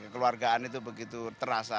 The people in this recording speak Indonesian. keluargaan itu begitu terasa